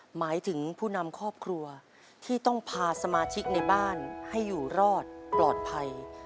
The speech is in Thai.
หมายถึงผู้นำครอบครัวที่ต้องพาสมาชิกในบ้านให้อยู่รอดปลอดภัย